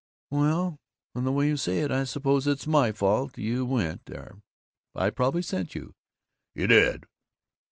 "Well From the way you say it, I suppose it's my fault you went there! I probably sent you!" "You did!"